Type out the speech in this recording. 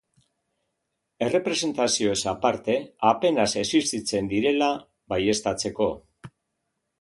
Errepresentazioez aparte apenas esistitzen direla baieztatzeko.